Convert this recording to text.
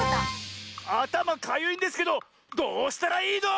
「あたまかゆいんですけどどうしたらいいの⁉」。